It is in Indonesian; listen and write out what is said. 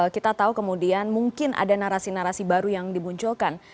kita tahu kemudian mungkin ada narasi narasi baru yang dimunculkan